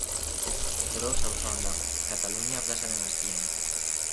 Gros auzoan dago, Katalunia plazaren azpian.